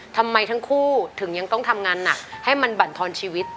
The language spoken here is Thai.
ทำไมทั้งคู่ถึงยังต้องทำงานหนักให้มันบรรทอนชีวิต